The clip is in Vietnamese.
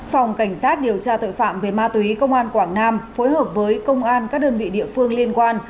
phòng cảnh sát điều tra tội phạm về ma túy công an quảng nam phối hợp với công an các đơn vị địa phương liên quan